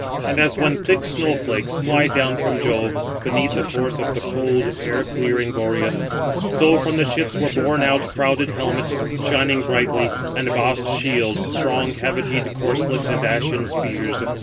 And as when thick snow flakes fly down from Jove, beneath the force of the cold, air clearing Boreas; so from the ships were borne out crowded helmets, shining brightly, and bossed shields, strong cavitied corslets, and ashen spears.